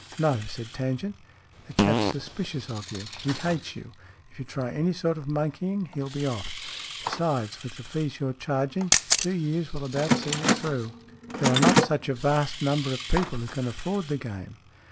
"No," said Tangent, "the chap's suspicious of you. He hates you. If you try any sort of monkeying, he'll be off. Besides, with the fees you're charging, two years will about see it through. 22 STORIES IN GREY There are not such a vast number of people who can afford the game."